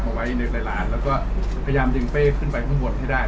เอาไว้ในร้านแล้วก็พยายามดึงเป้ขึ้นไปข้างบนให้ได้